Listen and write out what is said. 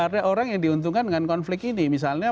ada orang yang diuntungkan dengan konflik ini misalnya